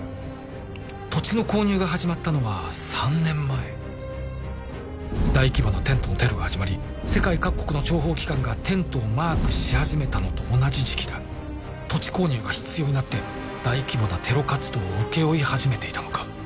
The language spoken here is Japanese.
土地の購入が始まったのは３年前大規模なテントのテロが始まり世界各国の諜報機関がテントをマークし始めたのと同じ時期だ土地購入が必要になって大規模なテロ活動を請け負い始めていたのか？